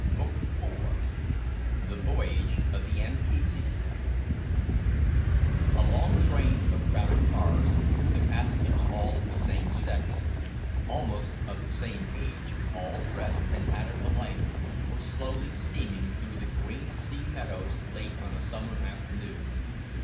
Book Four: The Voyage of the Anchises I A long train of crowded cars, the passengers all of the same sex, almost of the same age, all dressed and hatted alike, was slowly steaming through the green sea meadows late on a summer afternoon.